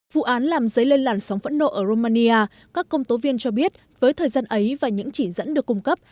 vụ án làm dấy lên làn sóng phẫn nộ ở romania các công tố viên cho biết với thời gian ấy và những chỉ dẫn được cung cấp